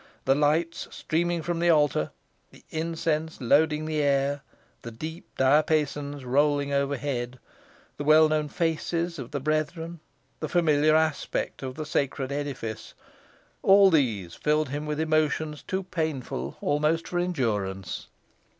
The lights streaming from the altar the incense loading the air the deep diapasons rolling overhead the well known faces of the brethren the familiar aspect of the sacred edifice all these filled him with emotions too painful almost for endurance.